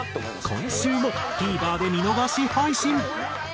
今週もＴＶｅｒで見逃し配信。